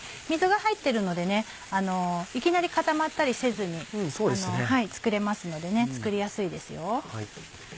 水が入ってるのでいきなり固まったりせずに作れますので作りやすいですよ。